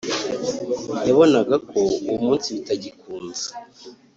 yabonaga ko uwo munsi bitagikunze